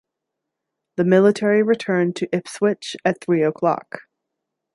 The military returned to Ipswich at three o'clock.